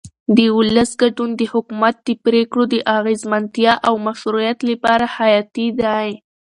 د ولس ګډون د حکومت د پرېکړو د اغیزمنتیا او مشروعیت لپاره حیاتي دی